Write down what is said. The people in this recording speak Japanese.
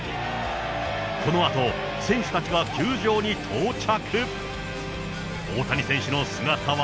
このあと選手たちが球場に到着。